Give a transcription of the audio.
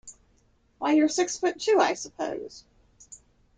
Why, you're six foot two, I suppose?